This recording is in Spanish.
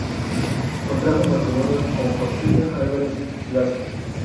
Contrajo matrimonio con Joaquina Álvarez Blasón.